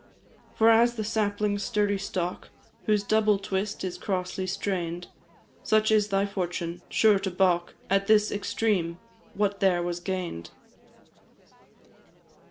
"For as the sapling's sturdy stalk, Whose double twist is crossly strain'd, Such is thy fortune sure to baulk At this extreme what there was gain'd.